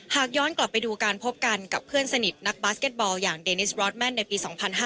หากย้อนกลับไปดูการพบกันกับเพื่อนสนิทนักบาสเก็ตบอลอย่างเดนิสรอสแมนในปี๒๕๕๙